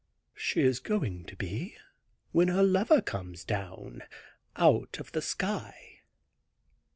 "She is going to be, when her lover comes down out of the sky."